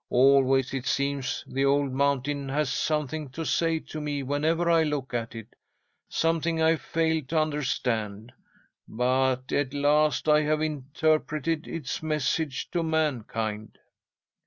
Always, it seems, the old mountain has something to say to me whenever I look at it, something I failed to understand. But at last I have interpreted its message to mankind."